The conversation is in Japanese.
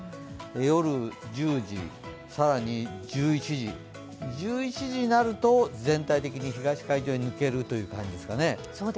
夜１０時、更に１１時になると全体的に東海上に抜けるという感じですかね。